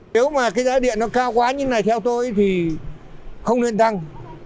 nếu mà cái giá điện nó cao quá như này theo tôi thì không nên tăng